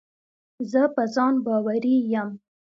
زه په ځان باوري یم.